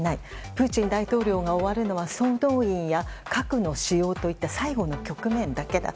プーチン大統領が終わるのは総動員や核の使用といった最後の局面だけだ。